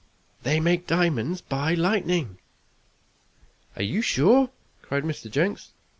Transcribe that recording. They make diamonds by lightning!" "Are you sure?" cried Mr. Jenks.